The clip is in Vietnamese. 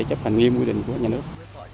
chấp hành nghiêm quy định của nhà nước